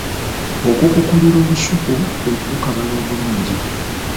Okukukulira olusuku kwe kulukabala obulungi.